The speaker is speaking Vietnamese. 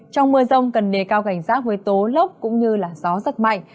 trong mưa rông cần đề cao cảnh rác với tố lốc cũng như gió giật mạnh